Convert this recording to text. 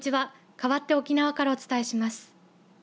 かわって沖縄からお伝えします。